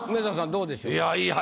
どうでしょう？